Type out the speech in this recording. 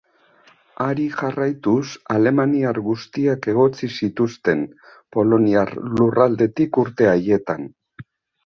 Hari jarraituz, alemaniar guztiak egotzi zituzten poloniar lurraldetik urte haietan.